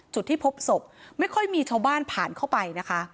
จุดที่พบศพไม่ค่อยมีชาวบ้านผ่านเข้าไปนะคะ